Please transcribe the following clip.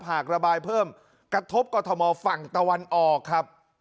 หากระบายเพิ่มกระทบกรทมฝั่งตะวันออกครับ